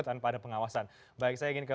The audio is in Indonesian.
tanpa ada pengawasan baik saya ingin ke